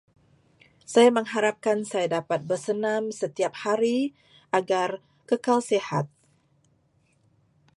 Saya mengharapkan saya dapat bersenam setiap hari agar kekal sihat.